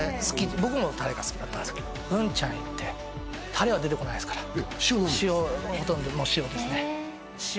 僕もタレが好きだったんですけど文ちゃん行ってタレは出てこないっすから塩のみ？